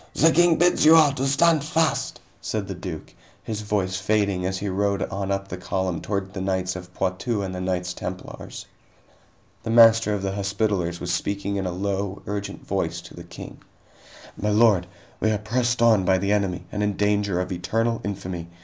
The King bids you all to stand fast," said the duke, his voice fading as he rode on up the column toward the knights of Poitou and the Knights Templars. The Master of the Hospitallers was speaking in a low, urgent voice to the King: "My lord, we are pressed on by the enemy and in danger of eternal infamy.